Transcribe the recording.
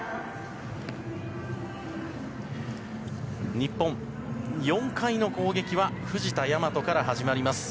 日本、４回の攻撃は藤田倭から始まります。